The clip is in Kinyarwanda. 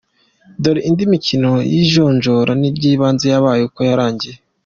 Dore indi mikino y’ijonjora ry’ibanze yabaye uko yarangiye:.